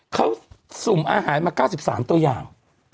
เขาสุ่มอาหารมา๙๓ตัวอย่าง